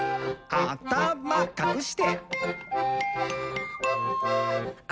「あたまかくして！」